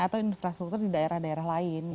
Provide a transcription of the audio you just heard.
atau infrastruktur di daerah daerah lain